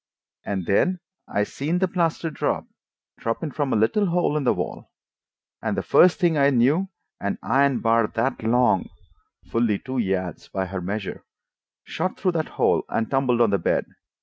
And then I seen the plaster drop, droppin' from a little hole in the wall. And the first thing I knew, an iron bar that long" (fully two yards by her measure) "shot through that hole and tumbled on the bed.